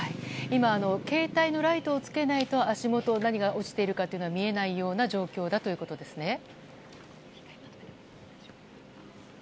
今、携帯のライトをつけないと足元、何が落ちているか見えない状況ということですね。